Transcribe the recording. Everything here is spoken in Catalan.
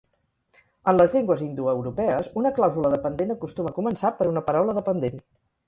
En les llengües indoeuropees una clàusula dependent acostuma a començar per una paraula dependent.